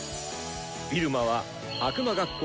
入間は悪魔学校